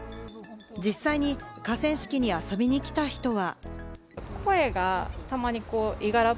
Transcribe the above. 実際に河川敷に遊びに来た人は。